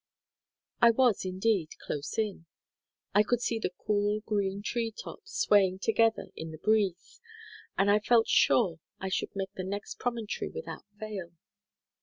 I was, indeed, close in. I could see the cool, green tree tops swaying together in the breeze, and I felt sure I should make the next promontory without fail.